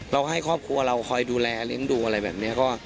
เราให้ครอบครัวเราคอยดูแลเลี้ยงดูอะไรแบบนี้